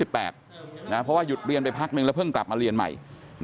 เพราะว่าหยุดเรียนไปพักนึงแล้วเพิ่งกลับมาเรียนใหม่